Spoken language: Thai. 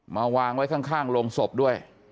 วางไว้ข้างโรงศพด้วย